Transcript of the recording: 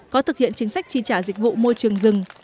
có thực hiện chính sách tri trả dịch vụ môi trường rừng